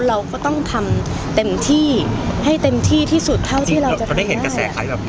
เราก็ต้องทำเต็มที่ให้เต็มที่ที่สุดเท่าที่เราจะได้เห็นกระแสขายแบบนี้